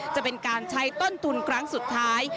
จะเป็นการใช้ต้นทุนครั้งสุดท้าย